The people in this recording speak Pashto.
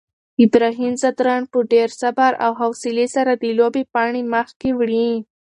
ابراهیم ځدراڼ په ډېر صبر او حوصلې سره د لوبې پاڼۍ مخکې وړي.